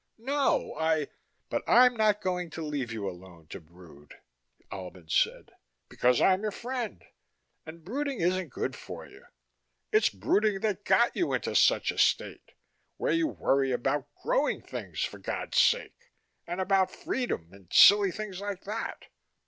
"No, I " "But I'm not going to leave you alone to brood," Albin said. "Because I'm your friend. And brooding isn't good for you. It's brooding that's got you into such a state where you worry about growing things, for God's sake, and about freedom and silly things like that."